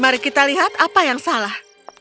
mari kita lihat apa yang salah